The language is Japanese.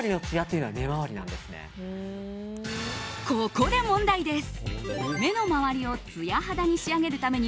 ここで問題です。